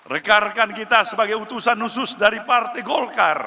rekarkan kita sebagai utusan khusus dari partai golkar